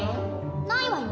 ないわよ。